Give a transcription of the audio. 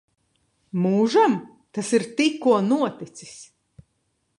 Mūžam? Tas ir tikko noticis.